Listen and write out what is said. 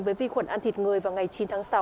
với vi khuẩn ăn thịt người vào ngày chín tháng sáu